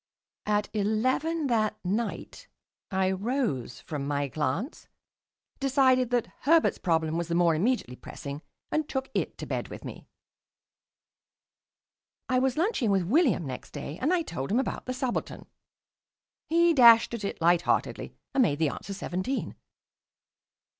At eleven that night I rose from my glance, decided that Herbert's problem was the more immediately pressing, and took it to bed with me. I was lunching with William next day, and I told him about the subaltern. He dashed at it lightheartedly and made the answer seventeen.